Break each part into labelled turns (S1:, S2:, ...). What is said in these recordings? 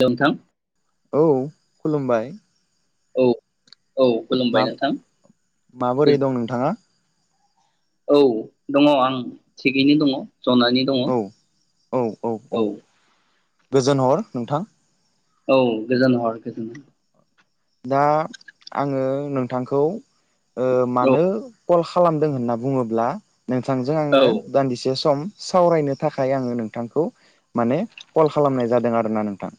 S1: हेल' नोंथां
S2: औ खुलुमबाय
S1: औ
S2: मा
S1: खुलुमबाय नोंथां
S2: माबोरै दं नोंथाङा?
S1: औ दङ आं थिगैनो दङ। जनानै दङ
S2: औ
S1: औ
S2: गोजोन हर नोंथां।
S1: औ गोजान हर गोजोन
S2: दा आङो नोंथांखौ ओ मानो कल खालामदों होनना बुङोब्ला नोंथांजों
S1: औ
S2: आङो दान्दिसे सम सावरायनो थाखाय आङो नोंथांखौ माने कल खालामनाय जादों आरोना नोंथां।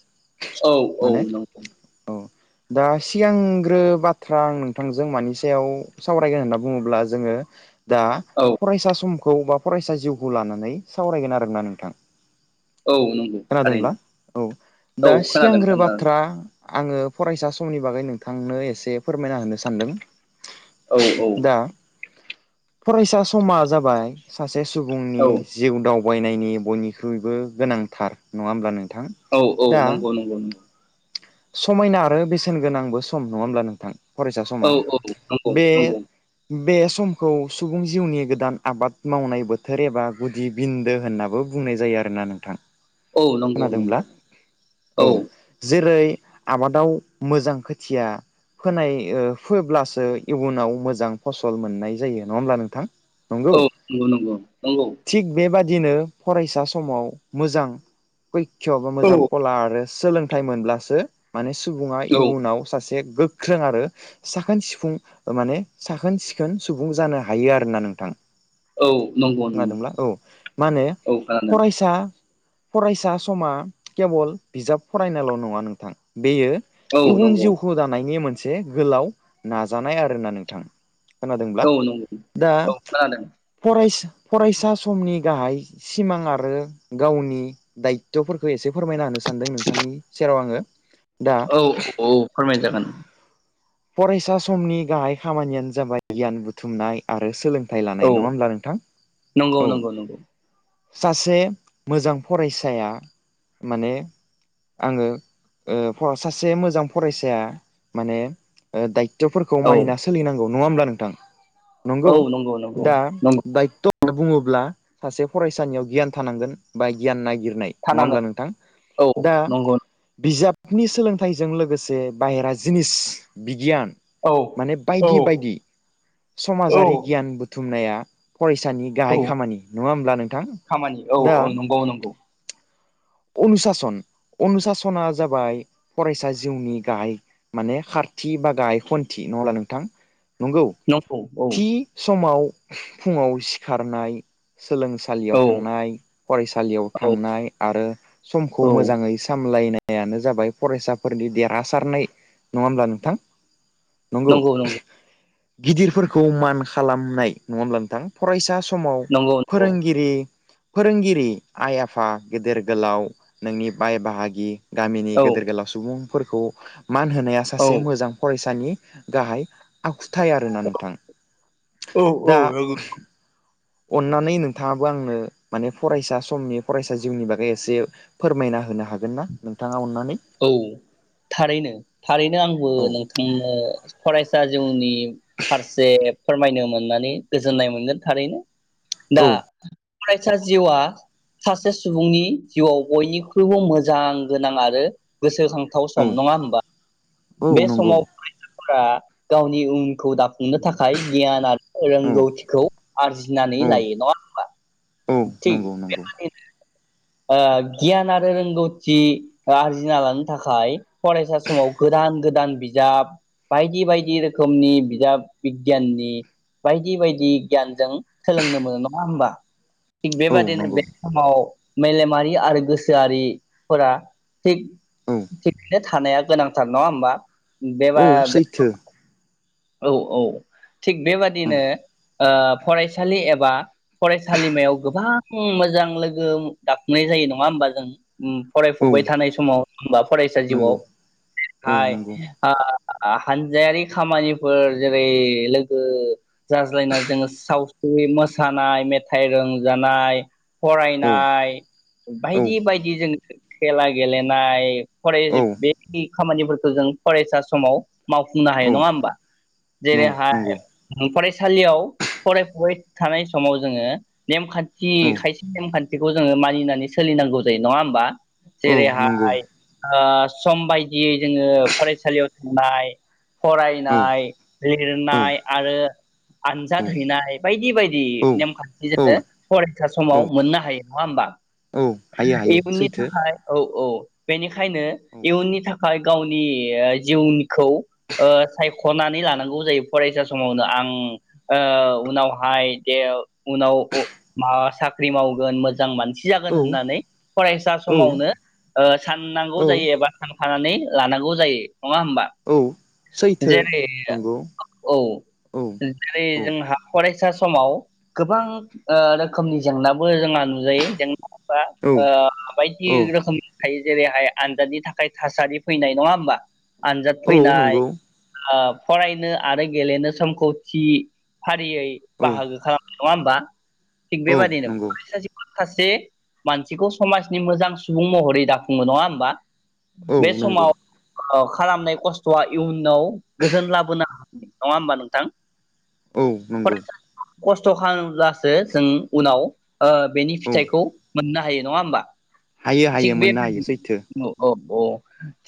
S1: औ औ
S2: माने
S1: नंग
S2: औ दा सिगांग्रो बाथ्रा आं नोंथांजों मानि सायाव सावरायगोन होनना बुङोब्ला जोङो दा
S1: औ
S2: फरायसा सम खौ बा फरायसा जिउखौ लानानै सावरायगोन आरो ना नोंथां।
S1: औ नंगौ
S2: खोनादोंब्ला
S1: थारैनो
S2: औ दा
S1: औ खोनादों
S2: सिगांग्रो
S1: खोनादों
S2: बाथ्रा आङो फरायसा समनि बागै नोंथांनो एसे फोरमायना होनो सानदों
S1: औ औ
S2: दा फरायसा समा जाबाय सासे सासे सुबुंनि
S1: औ
S2: जिउ दाव बायनायनि बयनिख्रुइबो गोनांथार। नङा होमब्ला नों
S1: औ औ नंगौ नंगौ नंगौ
S2: समायना आरो बेसेन गोनांबो सम नङा ओमब्ला नोंथां? फरायसा
S1: औ
S2: समा
S1: औ नंगौ
S2: बे
S1: नंगौ
S2: बे स समखौ सुबुं जिउनि गोदान आबाद मावनाय बोथोर एबा गुदि बिन्दो होननाबो बुंनाय जायो आरोना नोंथां।
S1: औ नंगौ
S2: खोनादोंब्ला
S1: नंगौ औ।
S2: जेरै आबादाव मोजां खोथिया फोनाय ओ फोब्लासो इयुनाव मोजां फसल मोननाय जायो नङा होमब्ला नोंथां। नंगौ
S1: औ नंगौ नंगौ नंगौ।
S2: दिनो फरायसा समाव मोजां बैक्षआबो
S1: औ
S2: मोजां कला आरो सोलों थाइ मोनब्लासो माने स सुबुङा
S1: औ
S2: इयुनाव सासे से गोख्रों आरो साखोन सिफुं माने साखोन-सिखोन सुबुं जानो हायो आरोना नोंथां।
S1: औ नंगौ नंगौ
S2: खोनादोंब्ला
S1: नंगौ
S2: औ मा होनो
S1: औ खोनादों
S2: फरायसा फरायसा समा केबल बिजाब फरायनाल' नङा नोंथां। बेयो
S1: औ
S2: इयुन
S1: नंगौ
S2: जिउखौ दानायनि मोनस से गोलाव नाजानाय आरोना नोंथां। खोनादोंब्ला
S1: औ नंगौ
S2: दा
S1: औ खोनादों
S2: फरायसा फरायसा समनि गाहाइ सिमां आरो गावनि दायथ'फोरखौ एसे फोरमायना होनो सानदों नोंथ थांनि सेराव आङो। दा
S1: औ औ फोरमाय जागोन।
S2: फरायसा समनि गाहाइ खामानियानो जाबाय गियान बुथुमनाय आरो सोलों
S1: औ नंगौ नंगौ नंगौ।
S2: सासे मोजां फरायसाया माने आङो ओ फ-सासे मोजां फरायसाया माने दायत त'फोरखौ
S1: औ
S2: मानिना सोलिनांगौ। नङा ओमब्ला नोंथां?
S1: औ
S2: नंगौ
S1: नंगौ
S2: दा
S1: नंगौ
S2: दायत'‌ बुङोब्ला सासे फरायसानियाव गियान थानांगोन बा गियान नागिर नाय नङा होमब्ला
S1: थानांगोन
S2: नोंथां?
S1: औ
S2: दा
S1: नंगौ
S2: बिजाब नि सोलोंथाइजों लोगोसे बाहेरा जिनिस बिगियान
S1: औ
S2: माने
S1: औ
S2: बायदि-बायदि
S1: औ
S2: समाजारि गियान बुथुमनाया फरायसानि
S1: औ
S2: गाहाय खामानि नङा होमब्ला नोंथां
S1: खामानि औ
S2: दा
S1: औ नंगौ नंगौ
S2: अनु साासन-अनु साासना जाबाय फरायसा जिउनि गाहाय माने खारथि बा गाहाय खन्थि नंङाओब्ला नोंथां नंगौ
S1: नंगौ
S2: थि
S1: औ
S2: समाव फुङाव सिखारनाय सोलोंसालियाव
S1: औ
S2: थांनाय फरायसालियाव
S1: औ
S2: थांनाय आरो समखौ
S1: औ
S2: मोजाङै साम लायनायानो जाबाय फरायसाफोरनि देरहासारनाय नङा होमब्ला नोंथां नंगौ गिदिरफोरखौ मान खालामनाय नङाओब्ला नोंथां फरायसा समाव
S1: नंगौ नंगौ
S2: फोरोंगिरि फोरोंगिरि आइ आफा गेदेर गोलाव नोंनि बाय बाहागि गामिनि
S1: औ
S2: गेदेर गोलाव सुबुं फोरखौ मान होनाया
S1: औ
S2: सासे मोजां फरायसा दानि गाहाय आखुथाय स्थाय आरो ना नोंथां
S1: औ
S2: दा
S1: नंगौ
S2: अननानै नोंथाङाबो आंनो माने फरायसा समनि फरायसा जिउनि बागै एसे फोरमायना होनो हागोन ना नोंथां
S1: औ थारैनो-थारैनो आंबो
S2: औ
S1: नोंथांनो फराय सा जिउनि फारसे फोरमायनो मोननानै गोजोननाय मोनगोन थारैनो दा
S2: औ
S1: फराय सा जिउआ सासे सुबुंनि जिउआव बयनिख्रुइबो मोजां गोनां आरो गोस खांथाव सम
S2: औ
S1: नङा होनबा
S2: औ
S1: बे
S2: नंगौ
S1: समाव आ गावनि उनखौ दा नुनो थाखाय गियान आरो
S2: औ
S1: रोंगौथिखौ आरजिनानै
S2: औ
S1: लायो नङा होमबा
S2: औ
S1: थिग
S2: नंगौ नंगौ
S1: बेबादिनो ओ गियान आरो रोंगौथि ओ आरजि लानो थाखाय फरायसा समाव गोदान-गोदान बिजाब बायदि-बायदि रोखोमनि बिजाब बिगियाननि बायदि- बायदि गियानजों सोलोंनो मोनो नङा होमबा थिग
S2: औ
S1: बेबादिनो
S2: नंगौ
S1: बे समाव मेलेमारि आरो गोसोआरिफोरा थिग
S2: औ
S1: थिगनो थानाया गोनांथार नङा होमबा
S2: औ
S1: बेबा बे
S2: सैथो
S1: औ औ थिग
S2: औ
S1: बेबादिनो ओ फरायसालि एबा फरायसालिमायाव गोबां मोजां लोगो दाफुंनाय जायो नङा होमबा जों उम
S2: औ
S1: फरायफुबाय थानाय समाव होनबा फरायसा
S2: नंगौ
S1: जिउआव
S2: औ
S1: हाय
S2: नंगौ
S1: ओ हानजायारि खामानि फोर जेरै लोगो जाज्लायना जोङो सावस्रि मोसानाय मेथाइ रंजानाय
S2: औ
S1: फरायनाय
S2: औ
S1: बायदि बायदि जों खेला गेलेनाय
S2: औ
S1: फराय बे खामानिफोरखौ जों फरायसा समाव मावफुंनो
S2: औ
S1: हायो नङा होमबा
S2: नौ
S1: जरै हाय
S2: नंगौ
S1: फरायसालियाव फरायफुबाय थानाय समाव जोङो नेमखान्थि
S2: औ
S1: खायसे नेमखान्थिखौ जोङो मानिनानै सोलिनांगौ जायो नङा होमबा
S2: औ नंगौ
S1: जेरैहाय सम बायदियै जोङो फरायसालियाव थांनाय
S2: औ
S1: फरायनाय
S2: औ
S1: लिरनाय आरो आनजाद हैनाय बायदि बायदि
S2: औ
S1: नेमखान्थि
S2: औ
S1: जादों फरायसा
S2: औ
S1: समाव मोननो हायो नङा होमबा
S2: औ हायो हायो
S1: इयुननि
S2: सैथो
S1: थाखाय औ औ बेनि बेखायनो
S2: औ
S1: इयुननि थाखाय गावनि जिउनिखौ सायख खनानै लानांगौ जायो फरायसा समावनो आं उनावहाय दे उनाव माबा साख्रि मावगोन मोजां मानसि जागोन
S2: औ
S1: होननानै फरायसा
S2: औ
S1: समावनो साननांगौ
S2: औ
S1: जायो एबा थानानै लानांगौ जायो नङा होमबा
S2: औ सै
S1: जेरै औ औ
S2: औ
S1: जेरै
S2: औ
S1: जोंहा फरायसा समाव गोबां रोखोमनि जेंनाबो जोंहा नुजायो जें
S2: औ
S1: आ बायदि
S2: औ
S1: ओ रोखोमनि थायो जेरैहाय आनजादनि थाखाय थासारि फैनाय नङा होमबा आनजाद
S2: औ
S1: फैनाय
S2: नंगौ
S1: ओ फरायनो आरो गेलेनो समखौ थि फारियै
S2: औ
S1: बाहागो खालाम नङा होमबा। थिग
S2: औ
S1: बेबादिनो
S2: नंगौ
S1: फरायसा जिउआव माखासे मानसिखौ समाजनि मोजां सुबुं महरै दाफुंयो नङा होमबा।
S2: औ
S1: बे
S2: नंगौ
S1: समाव ओ खालामनाय खस्थ'आ इयुनाव गोजोन लाबोनो हायो नङा होमबा नोंथां।
S2: औ नंगौ
S1: खस्थ' खालामोब्लासो जों उनाव ओ बेनि
S2: औ
S1: फिथाइखौ मोननो हायो नङा होमबा।
S2: हायो
S1: थिग
S2: हायो मोननो हायो सैथो।
S1: बेबादिनो औ औ औ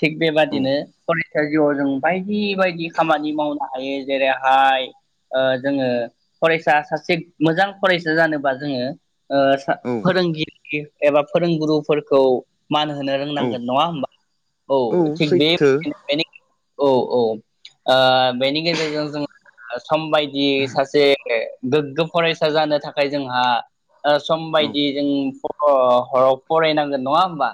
S1: थिग
S2: औ
S1: बेबादिनो फरायसा जिउआव जों बायदि बेबायदि खामानि मावनो हायो जेरैहाय ओ जोङो फरायसा सासे मोजां फरायसा जानोबा जोङो ओ
S2: औ
S1: सा-फोरोंगिरि एबा फोरोंगुरुफोरखौ मान होनो
S2: औ
S1: रोंनांगोन नङा होनबा औ थिग बे [unintelligible] औ औ। ओ बेनि गेजेरजों जोङो [unintelligible] सम बायदि सासे गोग्गो फरायसा जानो थाखाय जोंहा ओ सम
S2: औ
S1: बायदि जों अ हराव फरायनांगोन नङा होमबा।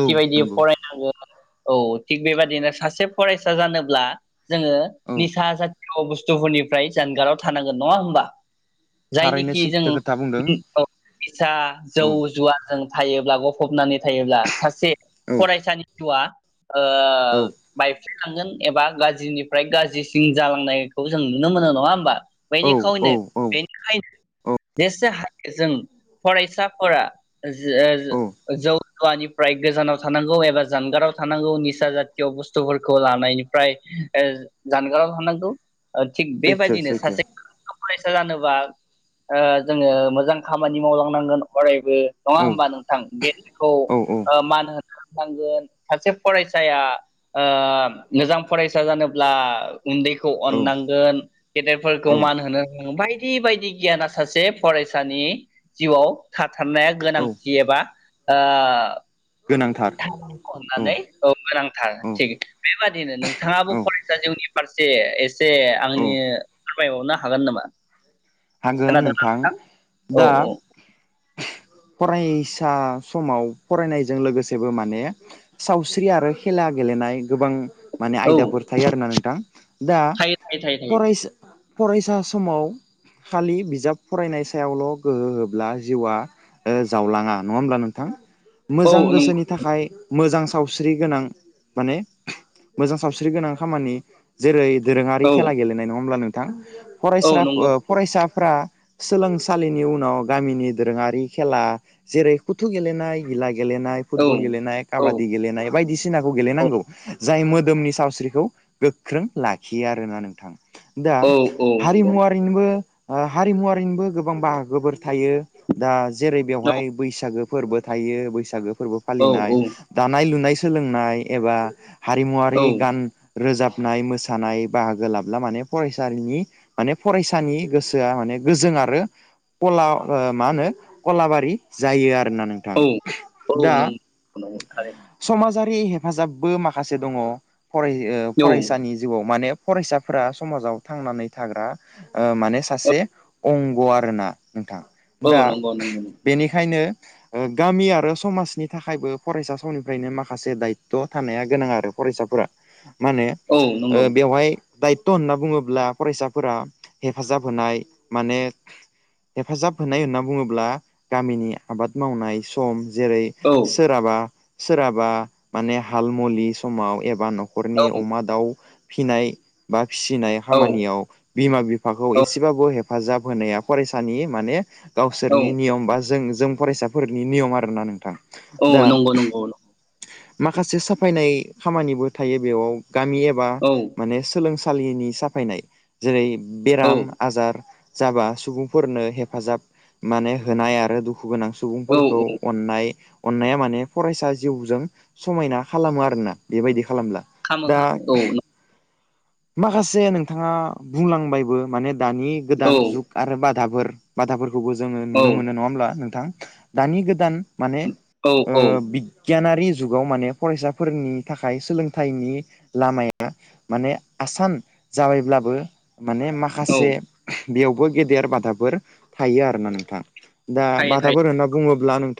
S2: औ
S1: बायदि
S2: नंगौ
S1: फरायनांगोन। औ थिग बेबादिनो सासे फरायसा जानो [unintelligible] जोङो
S2: औ
S1: निसा [unintelligible] बुस्थुफोरनिफ्राय जानगाराव थानांगोन नङा होमबा।
S2: थारैनो
S1: जायनिखि
S2: सैथो
S1: जों
S2: खोथा बुंदों
S1: [unintelligible] निसा जौ
S2: औ।
S1: जुवा जों थायोब्ला गफबनानै थायोब्ला सासे
S2: औ
S1: फरायसानि जिउया ओ
S2: औ
S1: बायफ्ले लांगोन। एबा गाज्रिनिफ्राय गाज्रिसिन जालांनायखौ जों नुनो मोनो नङा होमबा।
S2: औ
S1: बेनिखनो
S2: औ औ
S1: बेनिखायनो
S2: औ
S1: जेसे [unintelligible] जों फरायसाफोरा
S2: औ
S1: जो-जौ जुवानिफ्राय गोजानाव थानांगौ एबा जानगाराव थानांगौ निसा जाथिय बुस्थुफोरखौ लानायनि [unintelligible] जानगाराव थानांगौ। थिग
S2: सैथो
S1: बेबायदिनो
S2: सैथो
S1: सासे फरायसा [unintelligible] जानोबा ओ जोङो मोजां खामानि मावलांनांगोन अरायबो नङा
S2: औ
S1: होमबा नोंथां गेदेरखौ
S2: औ
S1: मान होनांगोन सासे फरायसाया मोजां फरायसा जानोब्ला उन्दैखौ
S2: औ
S1: अननांगोन गेदेरफोरखौ
S2: औ
S1: मान होनो रोंनांगोन बायदि बायदि गियाना सासे फरायसानि जिउआव थाथारनाया
S2: औ
S1: गोनांथि एबा ओ
S2: गोनांथार।
S1: अननानै औ गोनांथार
S2: औ
S1: थि बेबादिनो नोंथाङाबो
S2: औ
S1: फरायसा जिउनि फारसे एसे
S2: औ
S1: आंनि फोरमायबावनो हागोन नामा?
S2: हागोन नोंथां
S1: औ
S2: दा फरायसा समाव फरायनायजों लोगोसेबो माने सावस्रि आरो खेला गेलेनाय गोबां माने
S1: औ
S2: आयदाफोर थायो आरोना नोंथां दा
S1: थायो थायो थायो थायो
S2: फरायसा फरायसा समाव खालि बिजाब फरायनाय सायावल' गोहो होब्ला जिउआ जावलाङा नङा होमब्ला नोंथां मोजां
S1: औ नंगौ
S2: गोसोनि थाखाय मोजां सावस्रि गोनां माने मोजां सावस्रि गोनां खामानि जेरै दोरोङारि
S1: औ
S2: खेला गेनाय नङोमब्ला नों दान
S1: औ
S2: फरायसा
S1: नंगौ
S2: ओ साफ्रा सोलोंसालिनि उनाव गामिनि दोरोङारि खेला जेरै कुथु गेलेनाय गिला गे गेलेनाय
S1: औ
S2: फुटबल गेलेनाय
S1: औ
S2: काबादि गेलेनाय बायदिसिनाखौ गेलेनांगौ जाय मोदोमनि सावस्रिखौ गोख्रों लाखियो आरोना नोंथां दा
S1: औ औ नंगौ
S2: हारिमुवारिनिबो हारिमुवारिनिबो गोबां बाहागोफोर थायो दा जेरै बेवहाय बैसागो फोरबो थायो बैसागो फोरबो
S1: औ
S2: फालिनाय दानाय लुनाय सोलोंनाय एबा
S1: औ
S2: हारिमुवारि गान रोजाबनाय मोसानाय बाहागो लाब्ला माने फरायसालिनि माने फरायसानि गोसोआ माने गोजों आरो खला मा होनो कलाबारि जायो आरो ना नोंथां दा
S1: ख उथार [unintelligible]
S2: जारि हेफाजाबबो माखासे दङ फराय ओ फरायसानि जिउआव माने फरायसाफोरा समाजाव थांनानै थाग्रा माने
S1: औ
S2: सासे अंग' आरो ना नोंथां
S1: औ
S2: दा
S1: नंगौ नंगौ
S2: बेनिखायनो गामि आरो समाजनि थाखायबो फरायसा समनिफ्रायनो माखासे दायथ थानाया गोनां आरो फरायसाफोरा मा
S1: औ नंगौ
S2: होनो बेवहाय दायथ होनना बुङोब्ला फरायसाफोरा हेफाजाब होनाय माने हेफाजाब होनाय होनना बुङोब्ला गामिनि आबाद मावनाय सम जेरै
S1: औ औ
S2: सोराबा म हाव बा नखरनि अमा दाउ फिनाय बा फिसिनाय
S1: औ
S2: खामानियाव बिमा बिफाखौ एसेबाबो हे हेफाजाब होनाया फरायसानि माने
S1: औ
S2: गावसोरनि नियम बा जोंजों फरायसाफोरनि नियम आरोना नोंथां।
S1: औ
S2: दा
S1: नंगौ- नंगौ -नंगौ।
S2: माखासे साफायनाय खामानिबो थायो बेयाव। गामि एबा
S1: औ
S2: माने सोलों सालिनि साफायनाय जेरै-
S1: औ
S2: बेराम-आजार जाबा सुबुंफोरनो हेफाजाब माने होनाय आरो दुख दुखु गोनां
S1: औ
S2: सुबुंफोरखौ अन्नाय। अन्नाया माने फरायसा जिउजों समायना खालामो आरोना बेबायदिखौ। खालामला
S1: खामो
S2: दा
S1: खामो औ
S2: माखासे नोंथाङा बुंलांबायबो माने दानि गोदान
S1: औ
S2: जुग आरो बाद बा बेखौबो जोङो
S1: औ
S2: नुनो मोनो नङा होमब्ला नोंथां दानि गोदान माने
S1: औ
S2: ओ
S1: औ
S2: बि गियानारि जुगाव माने फरायसाफोरनि थाखाय सोलोंथाइनि लामाया माने आसान जाबायब्लाबो माने
S1: औ
S2: माखासे बेयावबो गेदेर बादाफोर थायो आरोना नोंथां। दा
S1: थायो
S2: बादाफोर
S1: थायो
S2: होनना बुङोब्ला नों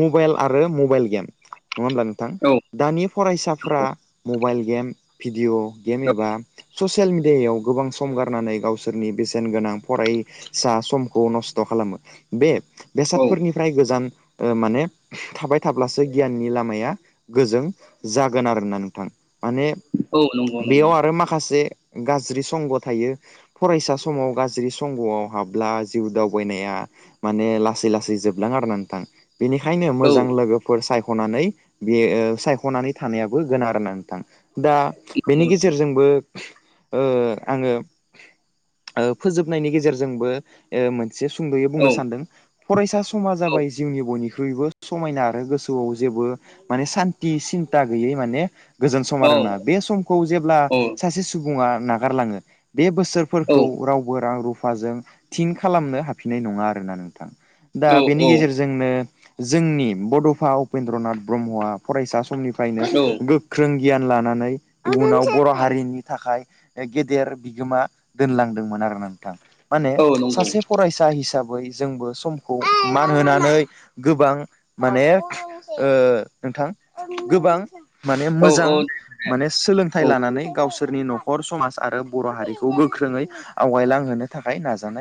S2: मबाइल आरो मबाइल गेम नङा होमब्ला नोंथां
S1: औ
S2: दानि फरायसाफोरा
S1: नंगौ
S2: मबाइल गेम, भिडिअ गेम एबा ससियेल मिडियायाव गोबां सम गारनानै गावसोरनि बेसेन गोनां फरायसा समखौ नस्थ खालामो। बे
S1: औ
S2: बेसादफोरनिफ्राय गोजान ओ माने थाबाय थाब्लासो गियाननि लामाया गोजों जागोन आरो ना नोंथां। माने।
S1: औ नंगौ
S2: बेयाव
S1: नंगौ
S2: आरो माखासे। गाज्रि संग थायो फरायसा समाव गाज्रि संगआव हाबब्ला जिउ दावबायनाया माने लासै-लासै जोबलां आरो ना नोंथां। बेनिखायनो
S1: औ
S2: मोजां लोगोफोर सायख' सायखनानै बे सायखनानै थानायाबो गोनां आरो ना नोंथां दा। बेनि
S1: नंगौ नंगौ
S2: गेजेरजोंबो। ओ आङो फोजोबनायनि गेजेरजोंबो ओ मोनसे। से सुंदयै बुंनो
S1: औ
S2: सानदों फरायसा समा
S1: औ
S2: जाबाय जिउनि बयनिखइ। ख्रुइबो समायना आरो गोसोआव जेबो माने सान्थि सिन्था गैयै माने। गोजोन सम
S1: औ
S2: आरोना बे सम। बेखौ जेब्ला
S1: औ
S2: सासे सुबुं बुङा नागारलाङो। बे
S1: औ
S2: बोसोरफोरखौ रावबो रां रुफ। फाजों थिन खालामनो हाफिननाय नङा आरोना नोंथां।
S1: औ
S2: दा बेनि
S1: औ
S2: गेजेरजोंनो। जोंनि बडफा उपेन्द्रनाथ ब्रह्मआ फरायसा समनिफ्राय। फ्रायनो गोख्रों गियान लानानै। इउनाव बर हारिनि थाखाय गेदेर बिगोमा दोनलांदोंमोन आरो ना नोंथां। माने
S1: औ नंगौ
S2: सासे फरायसा हिसाबै। बय जोंबो समखौ मान होनानै गोबां माने नोंथां गोबां। माने
S1: औ औ
S2: मोजां माने। सोलोंथाइ
S1: औ
S2: लानानै गावसोर। सोरनि नखर समाज आरो बर हारिखौ गोख्रोङै आवगायलांहोनो थाखाय नाजानाय।